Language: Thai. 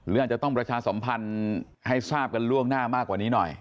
อาจจะต้องประชาสัมพันธ์ให้ทราบกันล่วงหน้ามากกว่านี้หน่อย